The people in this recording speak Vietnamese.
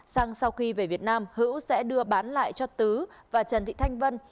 xăng sau khi về việt nam hữu sẽ đưa bán lại cho tứ và trần thị thanh vân